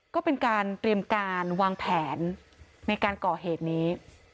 ก็เป็นการเตรียมการวางแผนในการก่อเหตุนี้